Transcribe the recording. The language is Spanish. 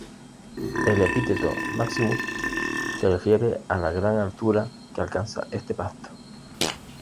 El epíteto "maximus" se refiere a la gran altura que alcanza este pasto.